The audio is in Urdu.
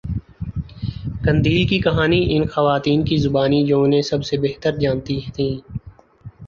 قندیل کی کہانی ان خواتین کی زبانی جو انہیں سب سےبہتر جانتی تھیں